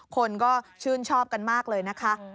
คนก็ชื่นชอบกันมากเลยนะคะ